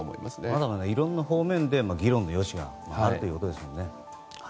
まだいろんな方面で議論の余地があるということですね。